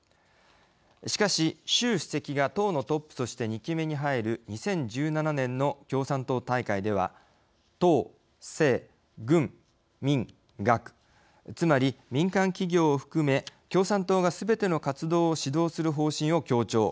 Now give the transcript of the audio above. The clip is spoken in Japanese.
しかし、習主席が党のトップとして２期目に入る２０１７年の共産党大会では党・政・軍・民・学つまり、民間企業を含め共産党がすべての活動を指導する方針を強調。